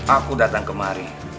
aku datang kemari